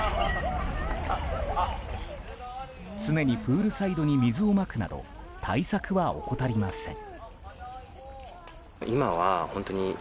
常に、プールサイドに水をまくなど対策は怠りません。